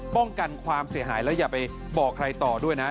ป้องกันความเสียหายแล้วอย่าไปบอกใครต่อด้วยนะ